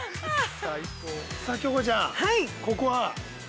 ◆さあ京子ちゃん、ここは。